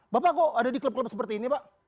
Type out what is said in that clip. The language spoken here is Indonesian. bapak kok ada di klub klub seperti ini pak